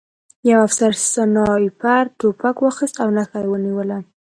یوه افسر سنایپر توپک واخیست او نښه یې ونیوله